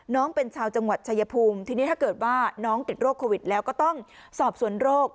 น้องเป็นชาวจังหวัดชายภูมิทีนี้ถ้าเกิดว่าน้องติดโรคโควิดแล้วก็ต้องสอบสวนโรค